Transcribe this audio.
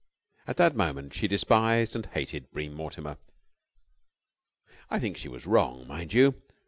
At that moment she despised and hated Bream Mortimer. I think she was wrong, mind you.